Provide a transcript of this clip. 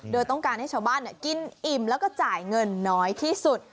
โดยต้องการให้ชาวบ้านกินอิ่มแล้วก็จ่ายเงินน้อยที่สุด